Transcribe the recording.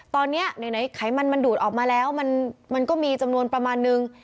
ตอนนี้ไหนไขมันมันดูดออกมาแล้วมันก็มีจำนวนประมาณนึง